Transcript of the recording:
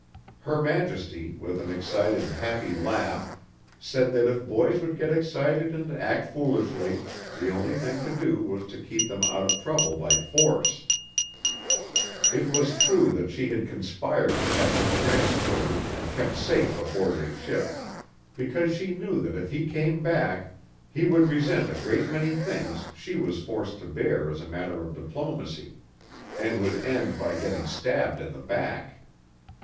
Her Majesty with an excited, happy laugh said that if boys would get excited and act foolishly, the only thing to do was to keep them out of trouble by force. It was true that she had conspired to have him transported and kept safe aboard his ship, because she knew that if he came back, he would resent a great many things she was forced to bear as a matter of diplomacy, and would end by getting stabbed in the back.